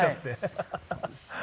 そうですね。